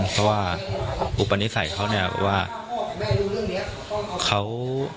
เพราะว่าอุปนิสัยเขาเนี่ยเพราะว่าเขา